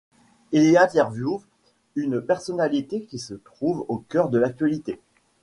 Il y interviewe une personnalité qui se trouve au cœur de l'actualité.